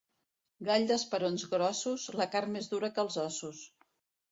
Gall d'esperons grossos, la carn més dura que els ossos.